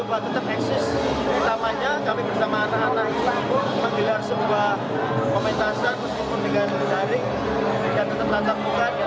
pertamanya kami bersama anak anak menggelar sebuah komentasan meskipun tinggalan dari tari